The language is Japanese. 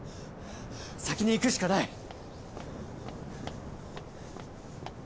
先に行くしかない。